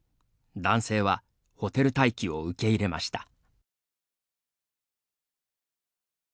男性はホテル待機を受け入れました。